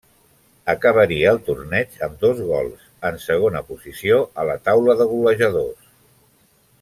Acabaria el torneig amb dos gols, en segona posició a la taula de golejadors.